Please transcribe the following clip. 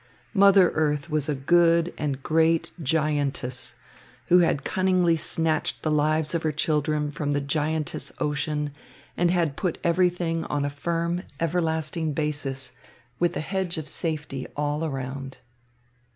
Mother earth was a good and great giantess who had cunningly snatched the lives of her children from the giantess ocean and had put everything on a firm, everlasting basis with a hedge of safety all around.